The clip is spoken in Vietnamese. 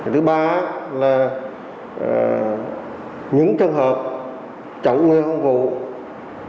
thứ ba là những trường hợp chống người thi hành công vụ